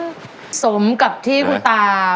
ก็สมกับที่ครูตา